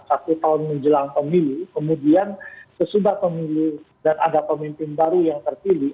satu tahun menjelang pemilu kemudian sesudah pemilu dan ada pemimpin baru yang terpilih